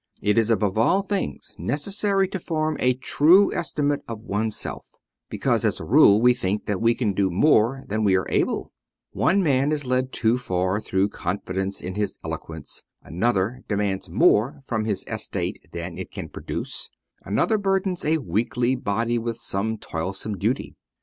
It is above all things necessary to form a true estimate of oneself, because as a rule we think that we can do more than we are able : one man is led too far through confidence in his eloquence, another demands more from his estate than it can produce, another burdens a weakly body with some toilsome duty.